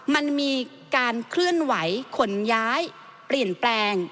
มันมีการเคลื่อนไหวขนย้ายเปลี่ยนแปลง